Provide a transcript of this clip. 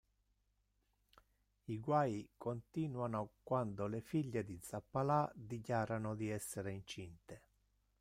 I guai continuano quando le figlie di Zappalà dichiarano di essere incinte.